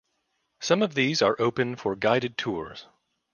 Some of these are open for guided tours.